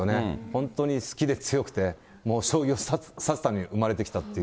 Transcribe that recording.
本当に好きで強くて、将棋を指すために生まれてきたっていう。